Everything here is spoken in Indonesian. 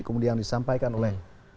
kemudian disampaikan oleh